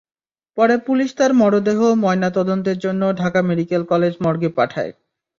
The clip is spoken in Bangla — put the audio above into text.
পরে পুলিশ তাঁর মরদেহ ময়নাতদন্তের জন্য ঢাকা মেডিকেল কলেজ মর্গে পাঠায়।